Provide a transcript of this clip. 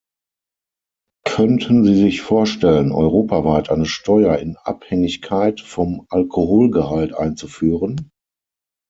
Könnten Sie sich vorstellen, europaweit eine Steuer in Abhängigkeit vom Alkoholgehalt einzuführen?